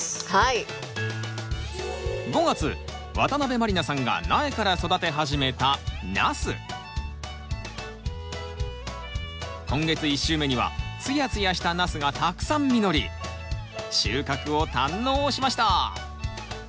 ５月渡辺満里奈さんが苗から育て始めた今月１週目にはツヤツヤしたナスがたくさん実り収穫を堪能しました。